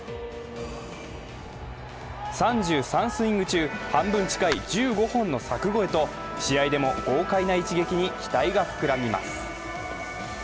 ３３スイング中、半分近い１５本の柵越えと試合でも豪快な一撃に期待が膨らみます。